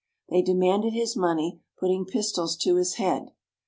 They demanded his money, putting pistols to his head.